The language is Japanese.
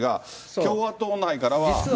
共和党内からは。